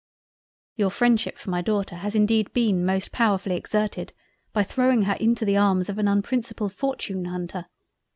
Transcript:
"Your Freindship for my Daughter has indeed been most powerfully exerted by throwing her into the arms of an unprincipled Fortune hunter."